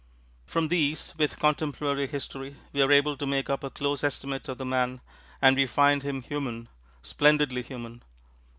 From these, with contemporary history, we are able to make up a close estimate of the man; and we find him human splendidly human.